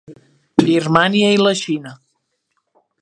Birmània i la Xina.